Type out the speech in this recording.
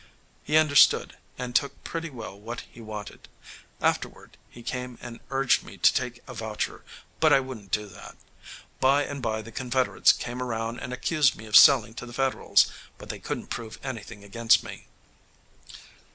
He understood, and took pretty well what he wanted. Afterward he came and urged me to take a voucher, but I wouldn't do that. By and by the Confederates came around and accused me of selling to the Federals, but they couldn't prove anything against me."